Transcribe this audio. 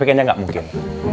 kayaknya gak mungkin